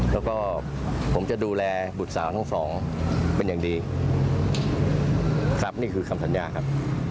แล้วก็ผมจะดูแลบุตรสาวทั้งสองเป็นอย่างดีครับนี่คือคำสัญญาครับ